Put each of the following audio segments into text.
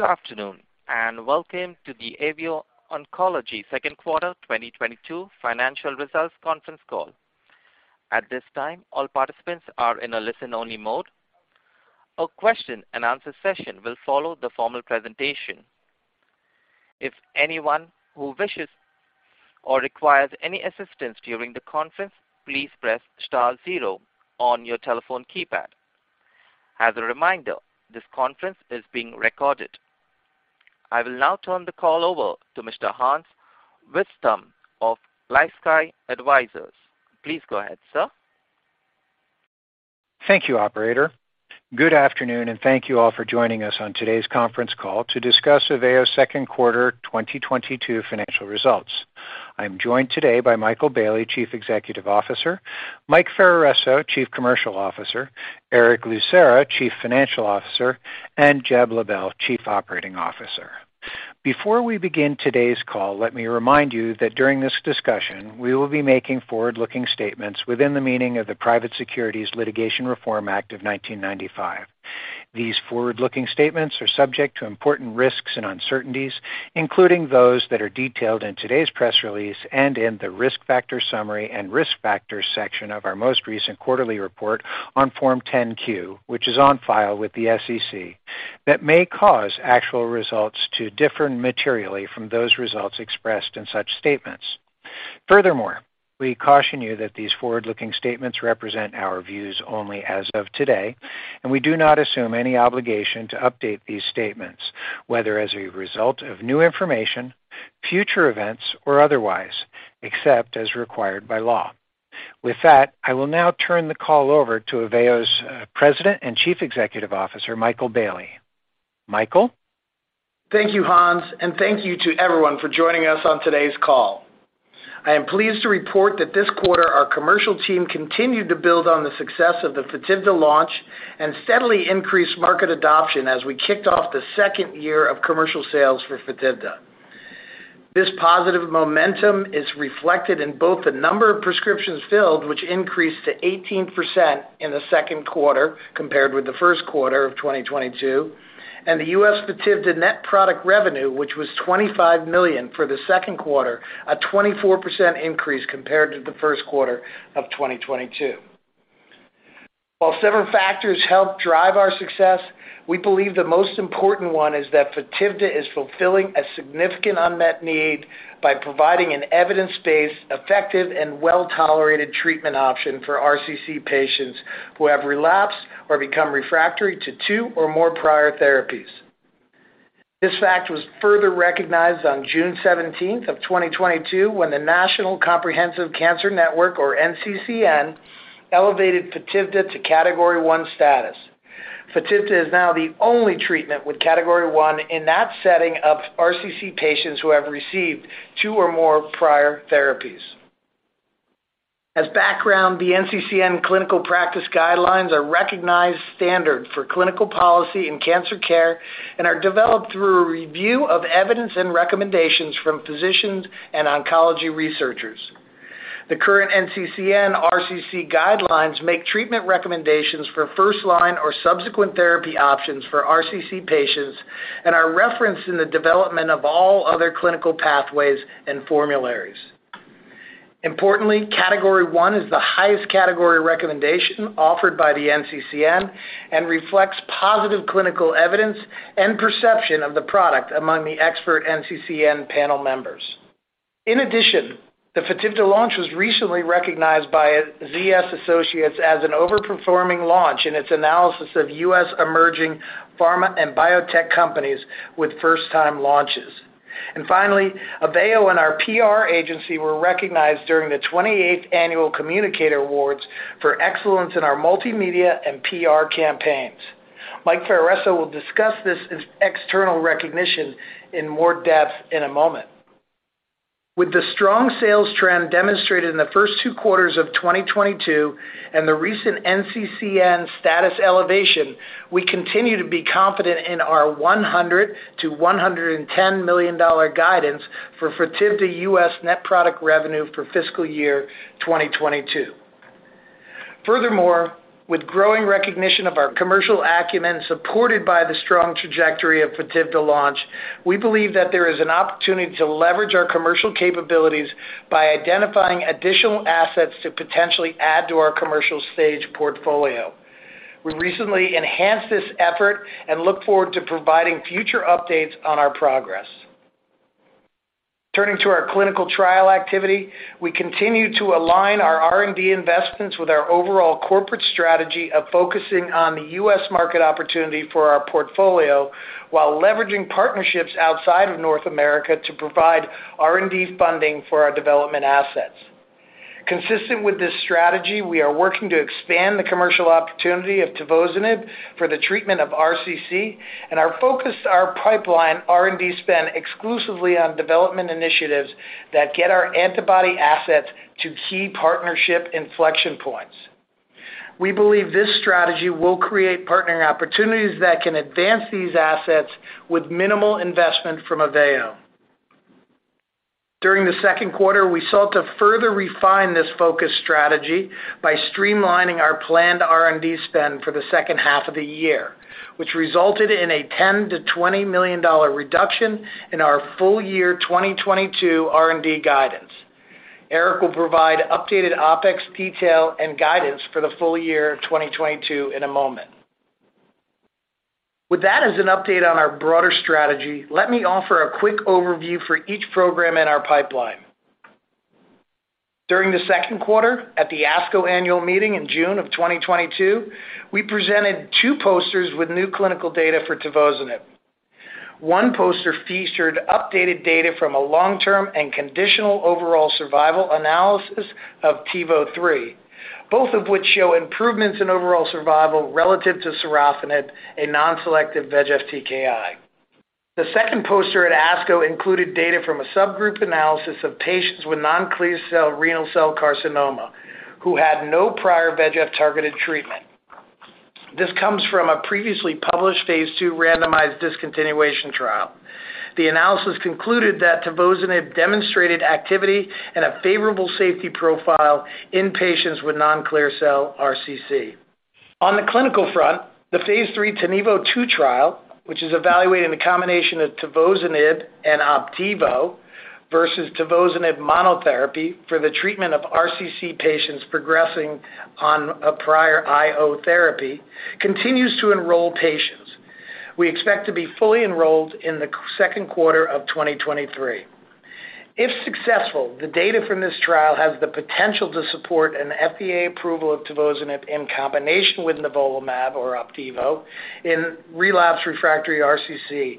Good afternoon, and welcome to the AVEO Oncology’s Second Quarter 2022 Financial Results Conference Call. At this time, all participants are in a listen-only mode. A question and answer session will follow the formal presentation. If anyone who wishes or requires any assistance during the conference, please press star zero on your telephone keypad. As a reminder, this conference is being recorded. I will now turn the call over to Mr. Hans Vitzthum of LifeSci Advisors. Please go ahead, sir. Thank you, operator. Good afternoon, and thank you all for joining us on today's conference call to discuss AVEO's second quarter 2022 financial results. I'm joined today by Michael Bailey, Chief Executive Officer, Mike Ferraresso, Chief Commercial Officer, Erick Lucera, Chief Financial Officer, and Jeb Ledell, Chief Operating Officer. Before we begin today's call, let me remind you that during this discussion we will be making forward-looking statements within the meaning of the Private Securities Litigation Reform Act of 1995. These forward-looking statements are subject to important risks and uncertainties, including those that are detailed in today's press release and in the risk factor summary and risk factors section of our most recent quarterly report on Form 10-Q, which is on file with the SEC, that may cause actual results to differ materially from those results expressed in such statements. Furthermore, we caution you that these forward-looking statements represent our views only as of today, and we do not assume any obligation to update these statements, whether as a result of new information, future events, or otherwise, except as required by law. With that, I will now turn the call over to AVEO's President and Chief Executive Officer, Michael Bailey. Michael? Thank you, Hans, and thank you to everyone for joining us on today's call. I am pleased to report that this quarter our commercial team continued to build on the success of the FOTIVDA launch and steadily increased market adoption as we kicked off the second year of commercial sales for FOTIVDA. This positive momentum is reflected in both the number of prescriptions filled, which increased to 18% in the second quarter compared with the first quarter of 2022, and the U.S. FOTIVDA net product revenue, which was $25 million for the second quarter, a 24% increase compared to the first quarter of 2022. While several factors help drive our success, we believe the most important one is that FOTIVDA is fulfilling a significant unmet need by providing an evidence-based, effective, and well-tolerated treatment option for RCC patients who have relapsed or become refractory to two or more prior therapies. This fact was further recognized on June 17th of 2022 when the National Comprehensive Cancer Network, or NCCN, elevated FOTIVDA to Category 1 status. FOTIVDA is now the only treatment with Category 1 in that setting of RCC patients who have received two or more prior therapies. As background, the NCCN clinical practice guidelines are the recognized standard for clinical policy in cancer care and are developed through a review of evidence and recommendations from physicians and oncology researchers. The current NCCN RCC guidelines make treatment recommendations for first line or subsequent therapy options for RCC patients and are referenced in the development of all other clinical pathways and formularies. Importantly, Category 1 is the highest category recommendation offered by the NCCN and reflects positive clinical evidence and perception of the product among the expert NCCN panel members. In addition, the FOTIVDA launch was recently recognized by ZS Associates as an overperforming launch in its analysis of U.S. emerging pharma and biotech companies with first time launches. Finally, AVEO and our PR agency were recognized during the 28th Annual Communicator Awards for excellence in our multimedia and PR campaigns. Mike Ferraresso will discuss this as external recognition in more depth in a moment. With the strong sales trend demonstrated in the first two quarters of 2022 and the recent NCCN status elevation, we continue to be confident in our $100 million-$110 million guidance for FOTIVDA U.S. net product revenue for fiscal year 2022. Furthermore, with growing recognition of our commercial acumen supported by the strong trajectory of FOTIVDA launch, we believe that there is an opportunity to leverage our commercial capabilities by identifying additional assets to potentially add to our commercial stage portfolio. We recently enhanced this effort and look forward to providing future updates on our progress. Turning to our clinical trial activity, we continue to align our R&D investments with our overall corporate strategy of focusing on the U.S. market opportunity for our portfolio while leveraging partnerships outside of North America to provide R&D funding for our development assets. Consistent with this strategy, we are working to expand the commercial opportunity of tivozanib for the treatment of RCC and are focusing our pipeline R&D spend exclusively on development initiatives that get our antibody assets to key partnership inflection points. We believe this strategy will create partnering opportunities that can advance these assets with minimal investment from AVEO. During the second quarter, we sought to further refine this focus strategy by streamlining our planned R&D spend for the second half of the year, which resulted in a $10 million-$20 million reduction in our full year 2022 R&D guidance. Eric will provide updated OpEx detail and guidance for the full year of 2022 in a moment. With that as an update on our broader strategy, let me offer a quick overview for each program in our pipeline. During the second quarter, at the ASCO annual meeting in June 2022, we presented two posters with new clinical data for tivozanib. One poster featured updated data from a long-term and conditional overall survival analysis of TIVO-3, both of which show improvements in overall survival relative to sorafenib, a non-selective VEGF TKI. The second poster at ASCO included data from a subgroup analysis of patients with non-clear cell renal cell carcinoma who had no prior VEGF-targeted treatment. This comes from a previously published phase II randomized discontinuation trial. The analysis concluded that tivozanib demonstrated activity and a favorable safety profile in patients with non-clear cell RCC. On the clinical front, the phase III TiNivo-2 trial, which is evaluating the combination of tivozanib and OPDIVO versus tivozanib monotherapy for the treatment of RCC patients progressing on a prior IO therapy, continues to enroll patients. We expect to be fully enrolled in the second quarter of 2023. If successful, the data from this trial has the potential to support an FDA approval of tivozanib in combination with nivolumab or OPDIVO in relapsed refractory RCC.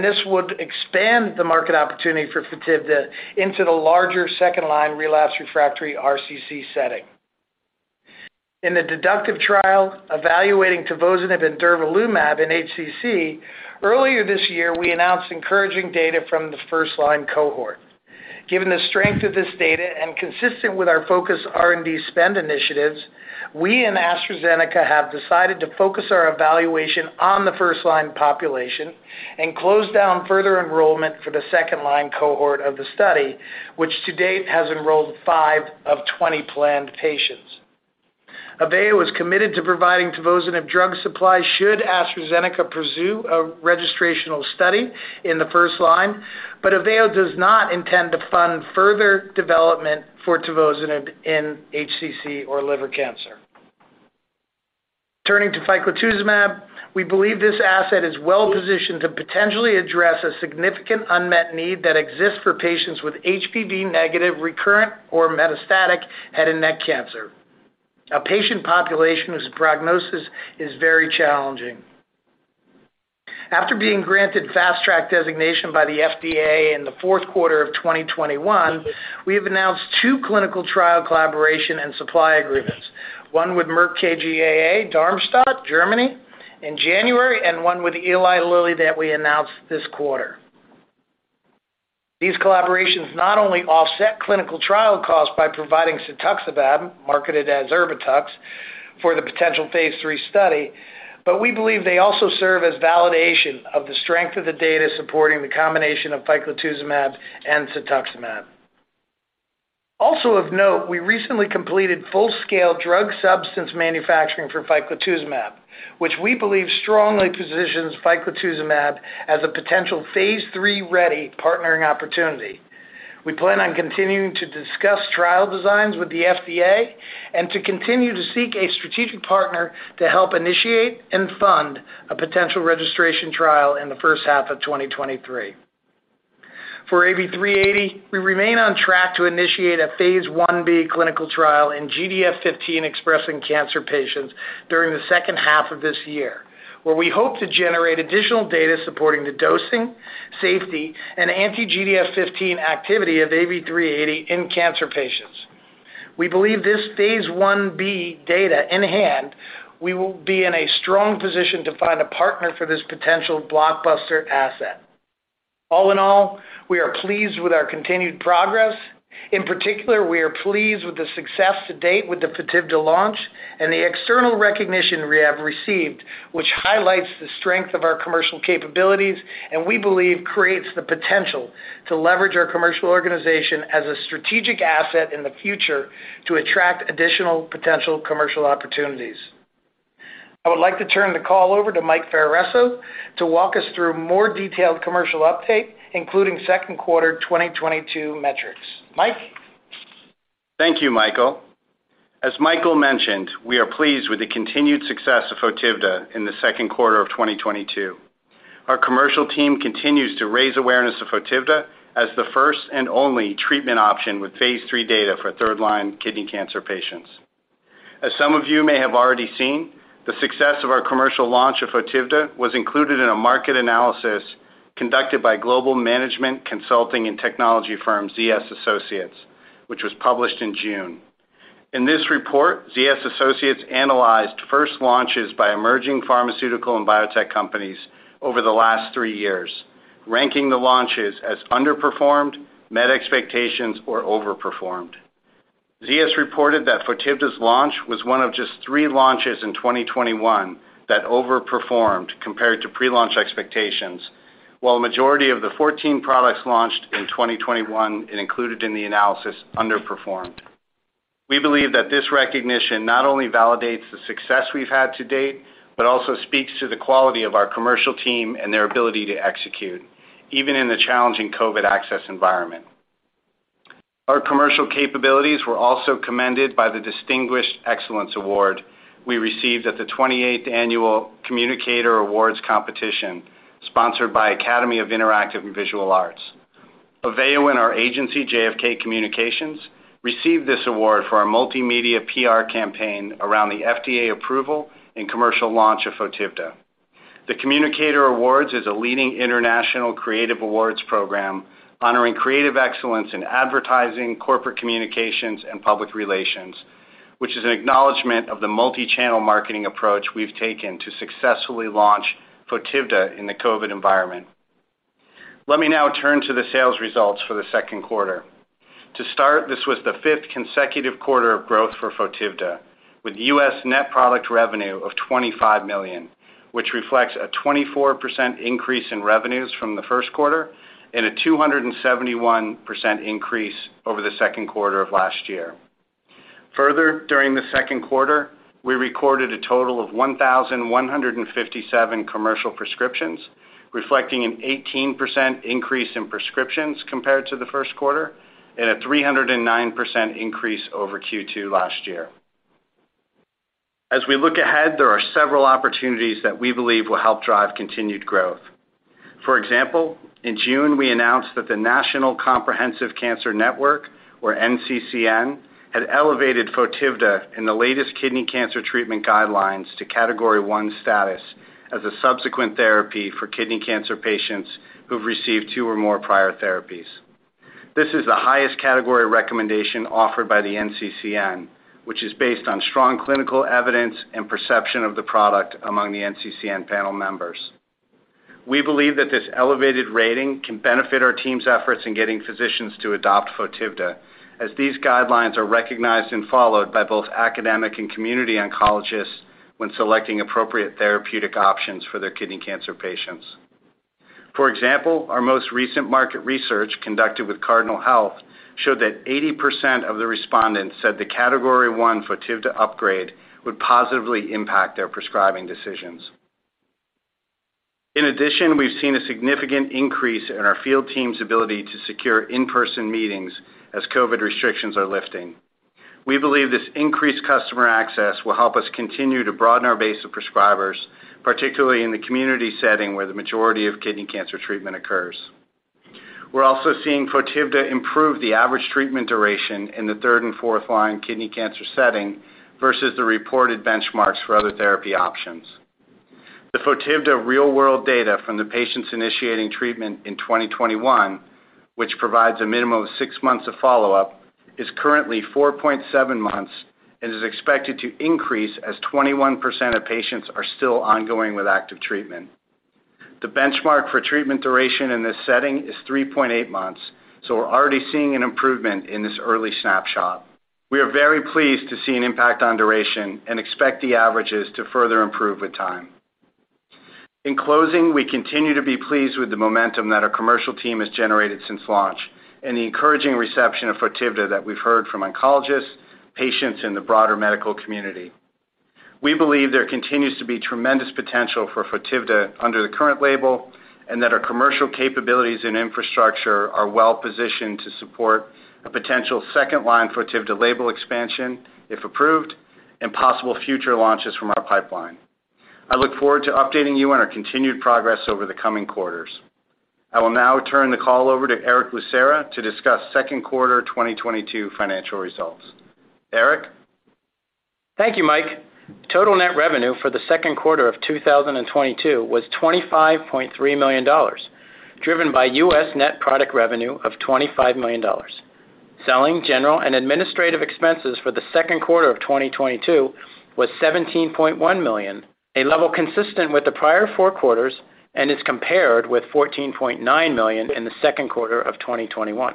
This would expand the market opportunity for FOTIVDA into the larger second-line relapsed refractory RCC setting. In the DEDUCTIVE trial evaluating tivozanib and durvalumab in HCC, earlier this year, we announced encouraging data from the first-line cohort. Given the strength of this data and consistent with our focus R&D spend initiatives, we and AstraZeneca have decided to focus our evaluation on the first-line population and close down further enrollment for the second-line cohort of the study, which to date has enrolled five of 20 planned patients. AVEO is committed to providing tivozanib drug supply should AstraZeneca pursue a registrational study in the first line, but AVEO does not intend to fund further development for tivozanib in HCC or liver cancer. Turning to ficlatuzumab, we believe this asset is well-positioned to potentially address a significant unmet need that exists for patients with HPV negative, recurrent or metastatic head and neck cancer. A patient population whose prognosis is very challenging. After being granted Fast Track designation by the FDA in the fourth quarter of 2021, we have announced two clinical trial collaboration and supply agreements, one with Merck KGaA, Darmstadt, Germany in January, and one with Eli Lilly that we announced this quarter. These collaborations not only offset clinical trial costs by providing cetuximab, marketed as ERBITUX, for the potential phase III study, but we believe they also serve as validation of the strength of the data supporting the combination of ficlatuzumab and cetuximab. Also of note, we recently completed full-scale drug substance manufacturing for ficlatuzumab, which we believe strongly positions ficlatuzumab as a potential phase III-ready partnering opportunity. We plan on continuing to discuss trial designs with the FDA and to continue to seek a strategic partner to help initiate and fund a potential registration trial in the first half of 2023. For AV-380, we remain on track to initiate a phase I-B clinical trial in GDF-15 expressing cancer patients during the second half of this year, where we hope to generate additional data supporting the dosing, safety, and anti-GDF-15 activity of AV-380 in cancer patients. We believe this Phase I-B data in hand, we will be in a strong position to find a partner for this potential blockbuster asset. All in all, we are pleased with our continued progress. In particular, we are pleased with the success to date with the FOTIVDA launch and the external recognition we have received, which highlights the strength of our commercial capabilities and we believe creates the potential to leverage our commercial organization as a strategic asset in the future to attract additional potential commercial opportunities. I would like to turn the call over to Mike Ferraresso to walk us through more detailed commercial update, including second quarter 2022 metrics. Mike? Thank you, Michael. As Michael mentioned, we are pleased with the continued success of FOTIVDA in the second quarter of 2022. Our commercial team continues to raise awareness of FOTIVDA as the first and only treatment option with phase III data for third line kidney cancer patients. As some of you may have already seen, the success of our commercial launch of FOTIVDA was included in a market analysis conducted by global management consulting and technology firm ZS Associates, which was published in June. In this report, ZS Associates analyzed first launches by emerging pharmaceutical and biotech companies over the last three years, ranking the launches as underperformed, met expectations, or overperformed. ZS reported that FOTIVDA's launch was one of just three launches in 2021 that overperformed compared to pre-launch expectations, while a majority of the 14 products launched in 2021 and included in the analysis underperformed. We believe that this recognition not only validates the success we've had to date, but also speaks to the quality of our commercial team and their ability to execute, even in the challenging COVID access environment. Our commercial capabilities were also commended by the Distinguished Excellence Award we received at the 28th Annual Communicator Awards Competition, sponsored by Academy of Interactive and Visual Arts. AVEO and our agency, JFK Communications, received this award for our multimedia PR campaign around the FDA approval and commercial launch of FOTIVDA. The Communicator Awards is a leading international creative awards program honoring creative excellence in advertising, corporate communications, and public relations, which is an acknowledgement of the multi-channel marketing approach we've taken to successfully launch FOTIVDA in the COVID environment. Let me now turn to the sales results for the second quarter. To start, this was the fifth consecutive quarter of growth for FOTIVDA, with U.S. net product revenue of $25 million, which reflects a 24% increase in revenues from the first quarter and a 271% increase over the second quarter of last year. Further, during the second quarter, we recorded a total of 1,157 commercial prescriptions, reflecting an 18% increase in prescriptions compared to the first quarter and a 309% increase over Q2 last year. As we look ahead, there are several opportunities that we believe will help drive continued growth. For example, in June, we announced that the National Comprehensive Cancer Network, or NCCN, had elevated FOTIVDA in the latest kidney cancer treatment guidelines to Category 1 status as a subsequent therapy for kidney cancer patients who have received two or more prior therapies. This is the highest category recommendation offered by the NCCN, which is based on strong clinical evidence and perception of the product among the NCCN panel members. We believe that this elevated rating can benefit our team's efforts in getting physicians to adopt FOTIVDA, as these guidelines are recognized and followed by both academic and community oncologists when selecting appropriate therapeutic options for their kidney cancer patients. For example, our most recent market research conducted with Cardinal Health showed that 80% of the respondents said the Category 1 FOTIVDA upgrade would positively impact their prescribing decisions. In addition, we've seen a significant increase in our field team's ability to secure in-person meetings as COVID restrictions are lifting. We believe this increased customer access will help us continue to broaden our base of prescribers, particularly in the community setting where the majority of kidney cancer treatment occurs. We're also seeing FOTIVDA improve the average treatment duration in the third and fourth line kidney cancer setting versus the reported benchmarks for other therapy options. The FOTIVDA real-world data from the patients initiating treatment in 2021, which provides a minimum of six months of follow-up, is currently 4.7 months and is expected to increase as 21% of patients are still ongoing with active treatment. The benchmark for treatment duration in this setting is 3.8 months, so we're already seeing an improvement in this early snapshot. We are very pleased to see an impact on duration and expect the averages to further improve with time. In closing, we continue to be pleased with the momentum that our commercial team has generated since launch and the encouraging reception of FOTIVDA that we've heard from oncologists, patients, and the broader medical community. We believe there continues to be tremendous potential for FOTIVDA under the current label and that our commercial capabilities and infrastructure are well-positioned to support a potential second-line FOTIVDA label expansion, if approved, and possible future launches from our pipeline. I look forward to updating you on our continued progress over the coming quarters. I will now turn the call over to Erick Lucera to discuss second quarter 2022 financial results. Erick? Thank you, Mike. Total net revenue for the second quarter of 2022 was $25.3 million, driven by U.S. net product revenue of $25 million. Selling, general, and administrative expenses for the second quarter of 2022 was $17.1 million, a level consistent with the prior four quarters and is compared with $14.9 million in the second quarter of 2021.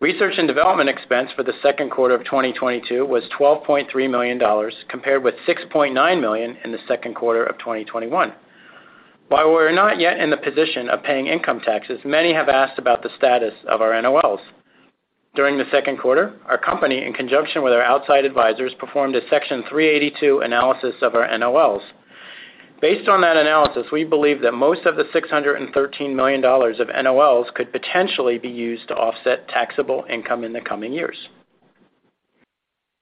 Research and development expense for the second quarter of 2022 was $12.3 million compared with $6.9 million in the second quarter of 2021. While we're not yet in the position of paying income taxes, many have asked about the status of our NOLs. During the second quarter, our company, in conjunction with our outside advisors, performed a Section 382 analysis of our NOLs. Based on that analysis, we believe that most of the $613 million of NOLs could potentially be used to offset taxable income in the coming years.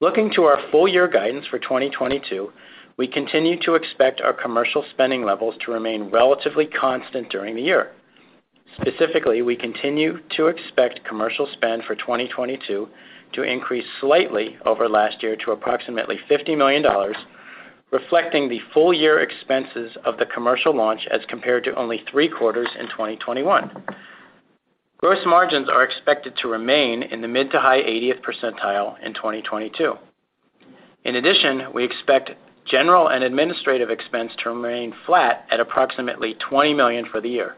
Looking to our full-year guidance for 2022, we continue to expect our commercial spending levels to remain relatively constant during the year. Specifically, we continue to expect commercial spend for 2022 to increase slightly over last year to approximately $50 million, reflecting the full-year expenses of the commercial launch as compared to only three quarters in 2021. Gross margins are expected to remain in the mid to high 80% in 2022. In addition, we expect general and administrative expense to remain flat at approximately $20 million for the year.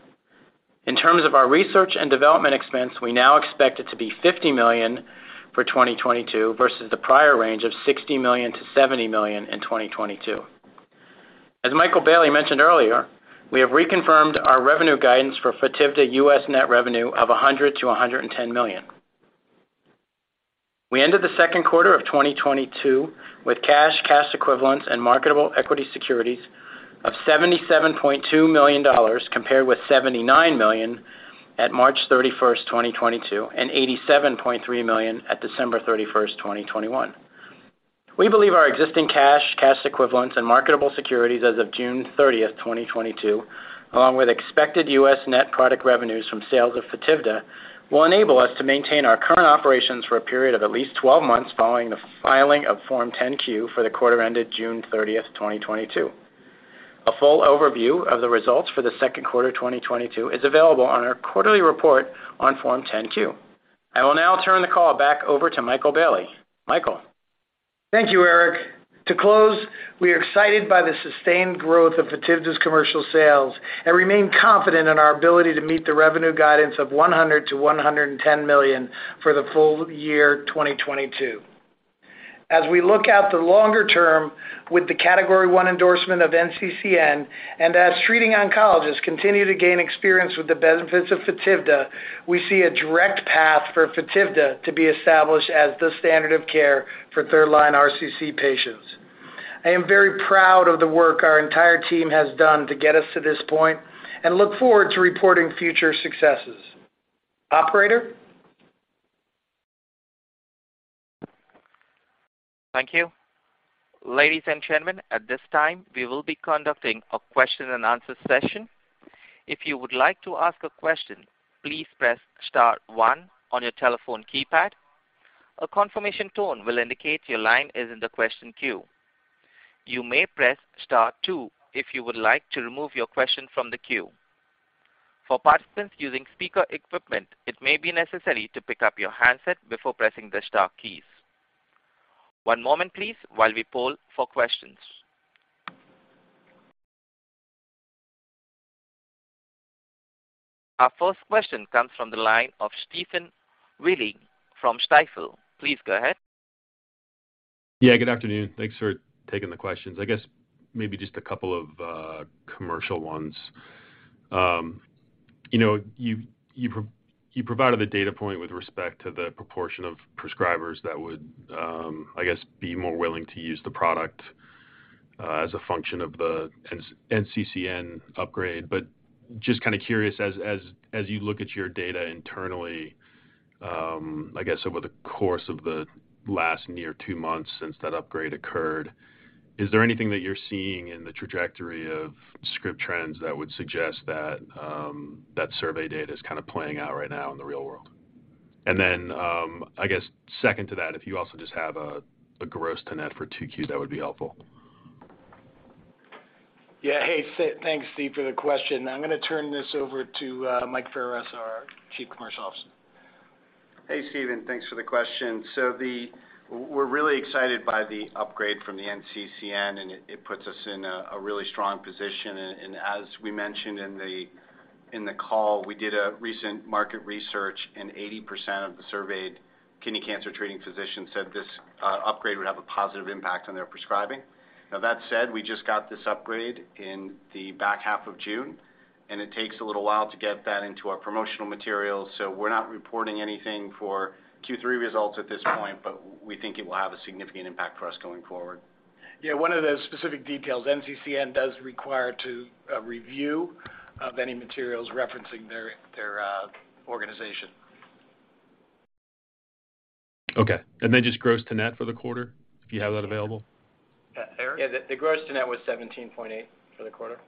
In terms of our research and development expense, we now expect it to be $50 million for 2022 versus the prior range of $60 million-$70 million in 2022. As Michael Bailey mentioned earlier, we have reconfirmed our revenue guidance for FOTIVDA U.S. net revenue of $100 million-$110 million. We ended the second quarter of 2022 with cash, cash equivalents and marketable equity securities of $77.2 million compared with $79 million at March 31st, 2022, and $87.3 million at December 31st, 2021. We believe our existing cash, cash equivalents and marketable securities as of June 30th, 2022, along with expected U.S. net product revenues from sales of FOTIVDA, will enable us to maintain our current operations for a period of at least 12 months following the filing of Form 10-Q for the quarter ended June 30th, 2022. A full overview of the results for the second quarter 2022 is available on our quarterly report on Form 10-Q. I will now turn the call back over to Michael Bailey. Michael? Thank you, Erick. To close, we are excited by the sustained growth of FOTIVDA's commercial sales and remain confident in our ability to meet the revenue guidance of $100 million-$110 million for the full year 2022. As we look to the longer term with the Category 1 endorsement of NCCN and as treating oncologists continue to gain experience with the benefits of FOTIVDA, we see a direct path for FOTIVDA to be established as the standard of care for third-line RCC patients. I am very proud of the work our entire team has done to get us to this point and look forward to reporting future successes. Operator? Thank you. Ladies and gentlemen, at this time, we will be conducting a question-and-answer session. If you would like to ask a question, please press star one on your telephone keypad. A confirmation tone will indicate your line is in the question queue. You may press star two if you would like to remove your question from the queue. For participants using speaker equipment, it may be necessary to pick up your handset before pressing the star keys. One moment please while we poll for questions. Our first question comes from the line of Stephen Willey from Stifel. Please go ahead. Yeah, good afternoon. Thanks for taking the questions. I guess maybe just a couple of commercial ones. You know, you provided a data point with respect to the proportion of prescribers that would, I guess, be more willing to use the product as a function of the NCCN upgrade. Just kinda curious, as you look at your data internally, I guess over the course of the last near two months since that upgrade occurred, is there anything that you're seeing in the trajectory of script trends that would suggest that that survey data is kinda playing out right now in the real world? And then, I guess second to that, if you also just have a gross to net for 2Q, that would be helpful. Yeah. Hey, thanks, Steve, for the question. I'm gonna turn this over to Mike Ferraresso, our Chief Commercial Officer. Hey, Stephen, thanks for the question. We're really excited by the upgrade from the NCCN, and it puts us in a really strong position. And as we mentioned in the call, we did a recent market research, and 80% of the surveyed kidney cancer-treating physicians said this upgrade would have a positive impact on their prescribing. Now, that said, we just got this upgrade in the back half of June, and it takes a little while to get that into our promotional materials. We're not reporting anything for Q3 results at this point, but we think it will have a significant impact for us going forward. Yeah. One of the specific details, NCCN does require a review of any materials referencing their organization. Okay. Just gross to net for the quarter, if you have that available. Erick? Yeah. The gross to net was 17.8% for the quarter.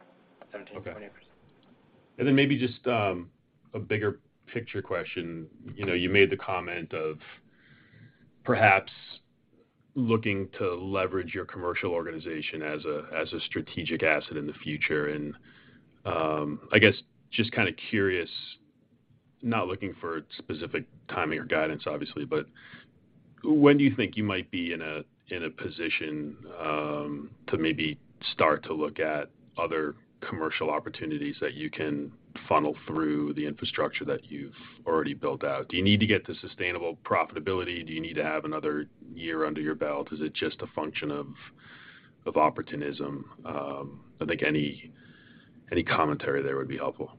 17.8%. Okay. Then maybe just a bigger picture question. You know, you made the comment of perhaps looking to leverage your commercial organization as a strategic asset in the future. I guess just kinda curious, not looking for specific timing or guidance, obviously, but when do you think you might be in a position to maybe start to look at other commercial opportunities that you can funnel through the infrastructure that you've already built out? Do you need to get to sustainable profitability? Do you need to have another year under your belt? Is it just a function of opportunism? I think any commentary there would be helpful.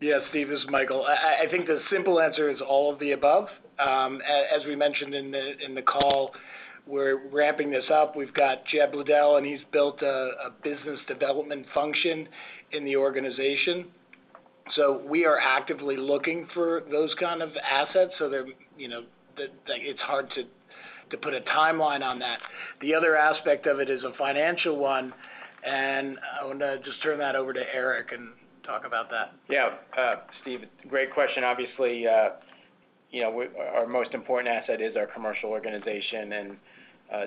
Yeah. Steve, this is Michael. I think the simple answer is all of the above. As we mentioned in the call, we're ramping this up. We've got Jeb Ledell, and he's built a business development function in the organization. We are actively looking for those kind of assets. There, you know, it's hard to put a timeline on that. The other aspect of it is a financial one, and I wanna just turn that over to Erick and talk about that. Yeah. Stephen, great question. Obviously, you know, our most important asset is our commercial organization and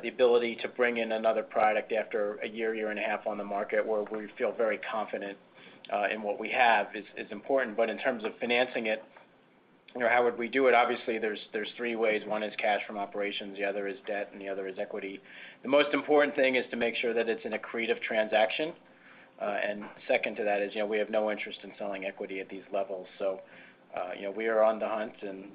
the ability to bring in another product after a year and a half on the market where we feel very confident in what we have is important. In terms of financing it. You know, how would we do it? Obviously, there's three ways. One is cash from operations, the other is debt, and the other is equity. The most important thing is to make sure that it's an accretive transaction. Second to that is, you know, we have no interest in selling equity at these levels. You know, we are on the hunt and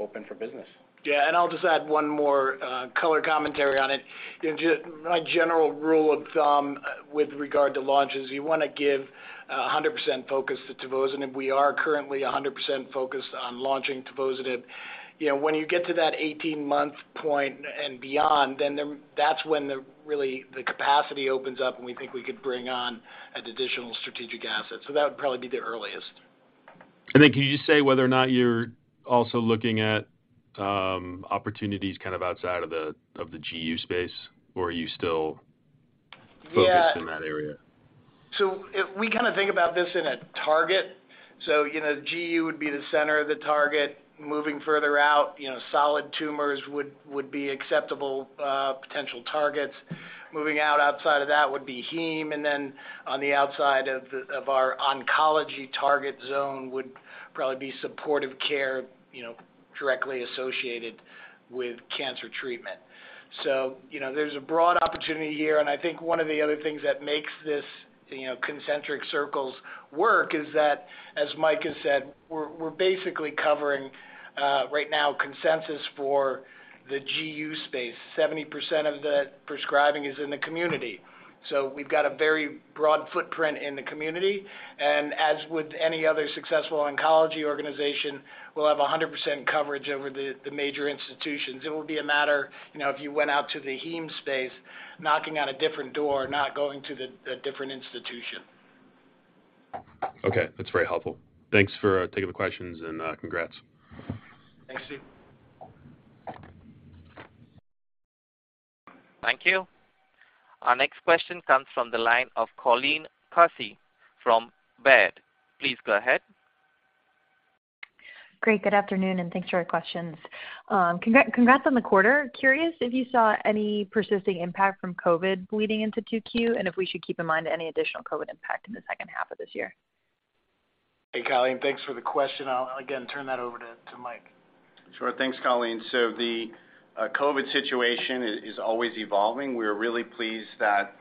open for business. Yeah. I'll just add one more color commentary on it. Just my general rule of thumb with regard to launches, you wanna give 100% focus to tivozanib, and we are currently 100% focused on launching tivozanib. You know, when you get to that 18-month point and beyond, then that's when really the capacity opens up, and we think we could bring on an additional strategic asset. That would probably be the earliest. Can you just say whether or not you're also looking at opportunities kind of outside of the GU space, or are you still focused in that area? Yeah. If we kinda think about this in a target, you know, GU would be the center of the target. Moving further out, you know, solid tumors would be acceptable potential targets. Moving out outside of that would be heme, and then on the outside of our oncology target zone would probably be supportive care, you know, directly associated with cancer treatment. There's a broad opportunity here, and I think one of the other things that makes this, you know, concentric circles work is that, as Mike has said, we're basically covering right now consensus for the GU space. 70% of the prescribing is in the community. We've got a very broad footprint in the community, and as with any other successful oncology organization, we'll have 100% coverage over the major institutions. It will be a matter, you know, if you went out to the heme space, knocking on a different door, not going to a different institution. Okay. That's very helpful. Thanks for taking the questions and congrats. Thanks. Thanks. Thank you. Our next question comes from the line of Colleen Kusy from Baird. Please go ahead. Great. Good afternoon, and thanks for your questions. Congrats on the quarter. Curious if you saw any persisting impact from COVID bleeding into 2Q, and if we should keep in mind any additional COVID impact in the second half of this year. Hey, Colleen. Thanks for the question. I'll again turn that over to Mike. Sure. Thanks, Colleen. The COVID situation is always evolving. We're really pleased that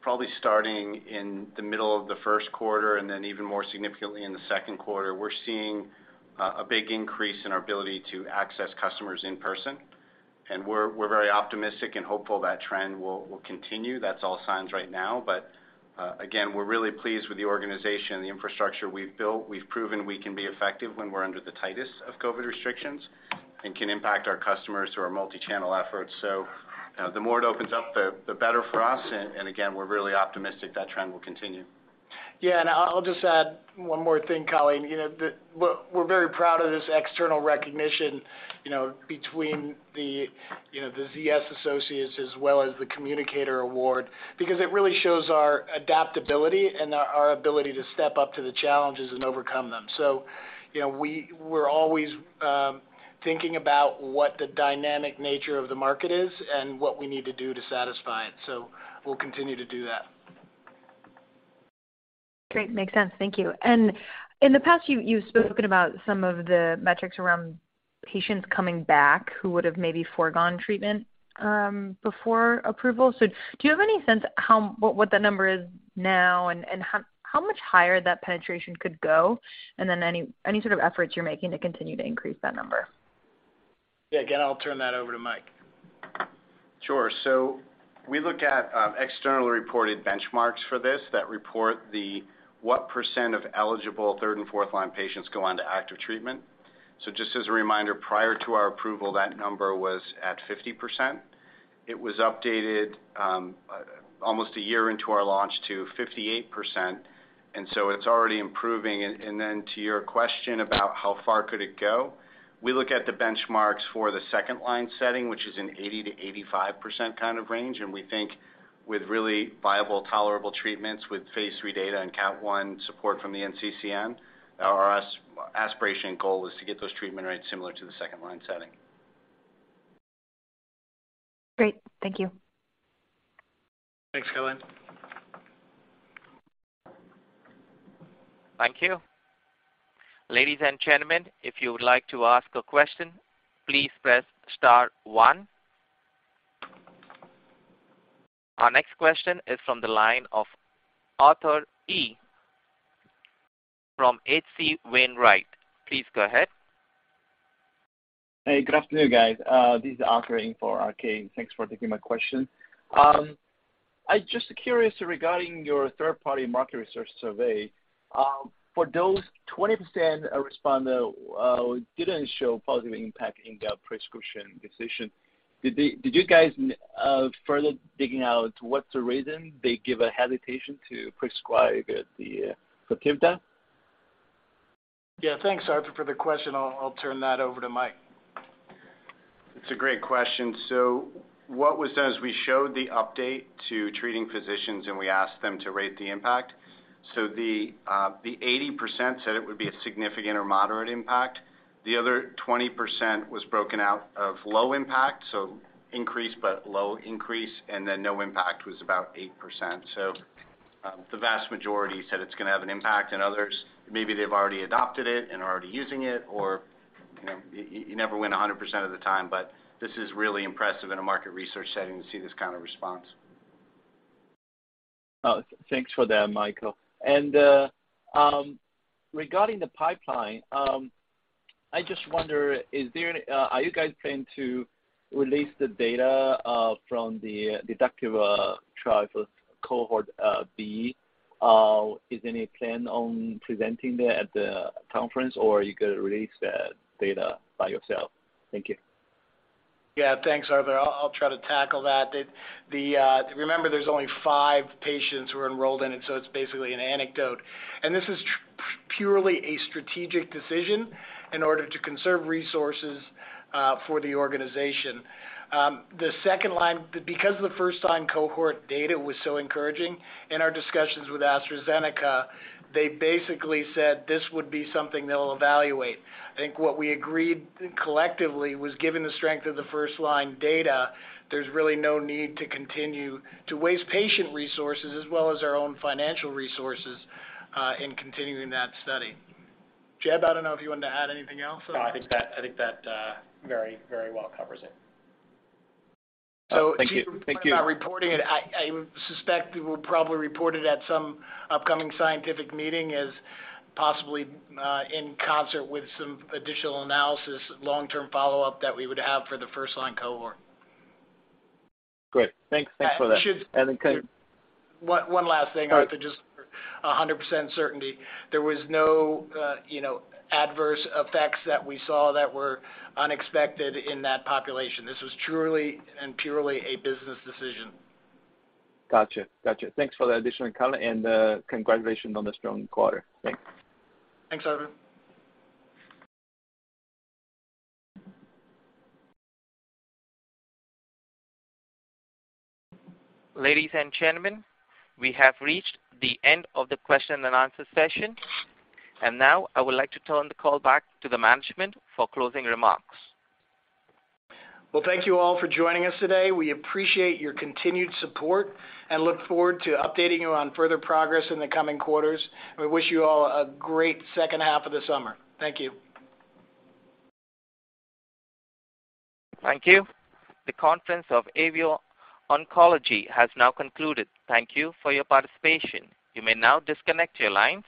probably starting in the middle of the first quarter and then even more significantly in the second quarter, we're seeing a big increase in our ability to access customers in person. We're very optimistic and hopeful that trend will continue. That's all signs right now. Again, we're really pleased with the organization, the infrastructure we've built. We've proven we can be effective when we're under the tightest of COVID restrictions and can impact our customers through our multi-channel efforts. You know, the more it opens up, the better for us. Again, we're really optimistic that trend will continue. Yeah. I'll just add one more thing, Colleen. You know, we're very proud of this external recognition, you know, between the, you know, the ZS Associates as well as the Communicator Award because it really shows our adaptability and our ability to step up to the challenges and overcome them. You know, we're always thinking about what the dynamic nature of the market is and what we need to do to satisfy it. We'll continue to do that. Great. Makes sense. Thank you. In the past, you've spoken about some of the metrics around patients coming back who would've maybe foregone treatment before approval. Do you have any sense what that number is now and how much higher that penetration could go? Any sort of efforts you're making to continue to increase that number? Yeah. Again, I'll turn that over to Mike. Sure. We look at external reported benchmarks for this that report what percent of eligible third and fourth line patients go on to active treatment. Just as a reminder, prior to our approval, that number was at 50%. It was updated almost a year into our launch to 58%, and so it's already improving. Then to your question about how far could it go, we look at the benchmarks for the second line setting, which is an 80%-85% kind of range. We think with really viable tolerable treatments with phase III data and Category 1 support from the NCCN, our aspiration goal is to get those treatment rates similar to the second line setting. Great. Thank you. Thanks, Colleen. Thank you. Ladies and gentlemen, if you would like to ask a question, please press star one. Our next question is from the line of Arthur He from H.C. Wainwright. Please go ahead. Hey, good afternoon, guys. This is Arthur He for RK. Thanks for taking my question. I just curious regarding your third-party market research survey. For those 20% responder who didn't show positive impact in the prescription decision, did you guys further digging out what's the reason they give a hesitation to prescribe the FOTIVDA? Yeah. Thanks, Arthur, for the question. I'll turn that over to Mike. It's a great question. What was done is we showed the update to treating physicians, and we asked them to rate the impact. The 80% said it would be a significant or moderate impact. The other 20% was broken out of low impact, so increase but low increase, and then no impact was about 8%. The vast majority said it's gonna have an impact, and others, maybe they've already adopted it and are already using it or, you know, you never win 100% of the time, but this is really impressive in a market research setting to see this kind of response. Oh, thanks for that, Michael. Regarding the pipeline, I just wonder, are you guys planning to release the data from the DEDUCTIVE trial for cohort B? Is there any plan on presenting that at the conference, or you could release that data by yourself? Thank you. Yeah. Thanks, Arthur. I'll try to tackle that. Remember, there's only five patients who are enrolled in it, so it's basically an anecdote. This is purely a strategic decision in order to conserve resources for the organization. Because the first line cohort data was so encouraging in our discussions with AstraZeneca, they basically said this would be something they'll evaluate. I think what we agreed collectively was given the strength of the first line data, there's really no need to continue to waste patient resources as well as our own financial resources in continuing that study. Jeb, I don't know if you want to add anything else? No, I think that very, very well covers it. Thank you. If you're worried about reporting it, I suspect it will probably report it at some upcoming scientific meeting as possibly in concert with some additional analysis, long-term follow-up that we would have for the first line cohort. Great. Thanks. Thanks for that. You should. And then can. One last thing. All right. Arthur, just 100% certainty. There was no, you know, adverse effects that we saw that were unexpected in that population. This was truly and purely a business decision. Gotcha. Thanks for the additional color and, congratulations on the strong quarter. Thanks. Thanks, Arthur. Ladies and gentlemen, we have reached the end of the question and answer session. Now I would like to turn the call back to the management for closing remarks. Well, thank you all for joining us today. We appreciate your continued support and look forward to updating you on further progress in the coming quarters. We wish you all a great second half of the summer. Thank you. Thank you. The conference of AVEO Pharmaceuticals has now concluded. Thank you for your participation. You may now disconnect your line.